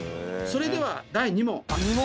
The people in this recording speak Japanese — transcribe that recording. それでは第２問。